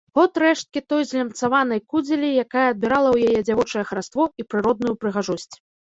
От рэшткі той злямцаванай кудзелі, якая адбірала ў яе дзявочае хараство і прыродную прыгажосць.